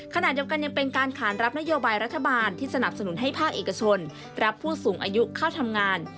ขณะเดียวกันยังเป็นการขานรับนโยบายรัฐบาลที่สนับสนุนให้ภาคเอกชนรับผู้สูงอายุเข้าทำงาน